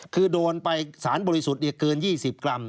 คือโดนไปสารบริสุทธิ์เกิน๒๐กรัม